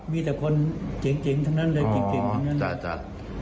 มีแต่คนเจ๋งเจ๋งทั้งนั้นเลยเจ๋งเจ๋งทั้งนั้นเลยอ๋อจ้ะจ้ะ